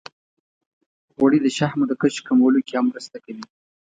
غوړې د شحمو د کچې کمولو کې هم مرسته کوي.